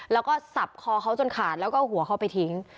แล้วก็สับคอเขาจนขาดแล้วก็เอาหัวเขาไปทิ้ง